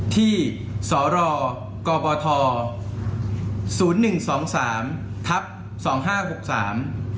ที่สรกบททศูนย์หนึ่งสองสามทับสองห้าหกสาม